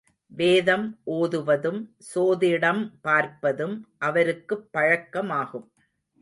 வேதம் ஓதுவதும், சோதிடம் பார்ப்பதும் அவருக்குப் பழக்கமாகும்.